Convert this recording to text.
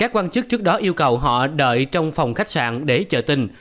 quan chức trước đó yêu cầu họ đợi trong phòng khách sạn để chờ tin